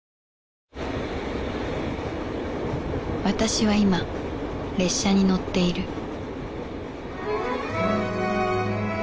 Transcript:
私は今列車に乗っている